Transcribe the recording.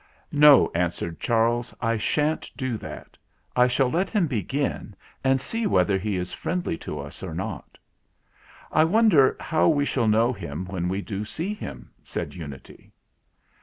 "No," answered Charles. "I sha'n't do that. I shall let him begin and see whether he is friendly to us or not." "I wonder how we shall know him when we do see him ?" said Unity.